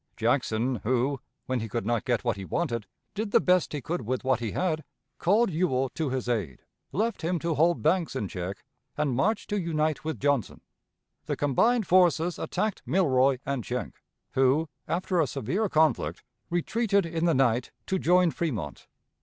Jackson, who, when he could not get what he wanted, did the best he could with what he had, called Ewell to his aid, left him to hold Banks in check, and marched to unite with Johnson; the combined forces attacked Milroy and Schenck, who, after a severe conflict, retreated in the night to join Fremont.